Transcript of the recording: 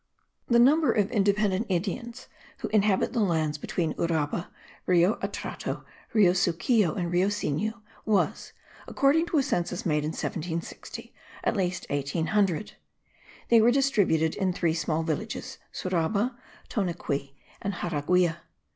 The number of independent Indians who inhabit the lands between Uraba, Rio Atrato, Rio Sucio and Rio Sinu was, according to a census made in 1760, at least 1800. They were distributed in three small villages, Suraba, Toanequi and Jaraguia.